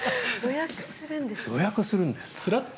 予約するんです。